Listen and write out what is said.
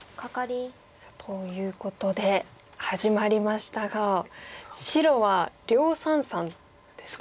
さあということで始まりましたが白は両三々ですか。